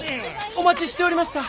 お待ちしておりました。